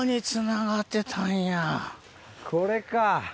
これか。